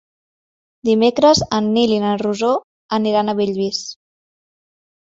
Dimecres en Nil i na Rosó aniran a Bellvís.